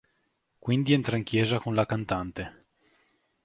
Quindi entra in chiesa con la cantante.